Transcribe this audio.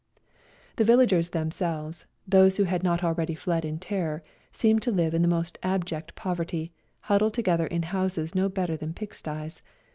The villagers themselves, those who had not already fled in terror, seemed to live in the most abject poverty, huddled together in houses no better than pigsties.